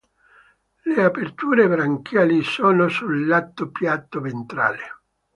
Le aperture branchiali sono sul lato piatto, ventrale.